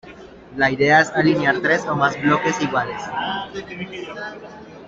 La idea es alinear tres o más bloques iguales.